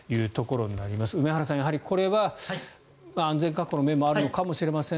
梅原さん、これは安全確保の面もあるのかもしれません